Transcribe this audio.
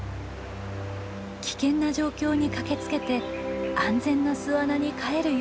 危険な状況に駆けつけて安全な巣穴に帰るよう促します。